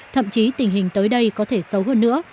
thậm chí tình hình tới đây có thể xấu hơn nữa